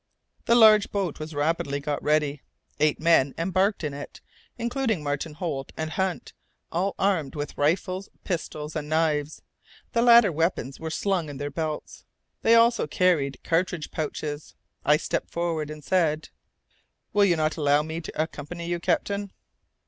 The large boat was rapidly got ready. Eight men embarked in it, including Martin Holt and Hunt, all armed with rifles, pistols, and knives; the latter weapons were slung in their belts. They also carried cartridge pouches. I stepped forward and said, "Will you not allow me to accompany you, captain?"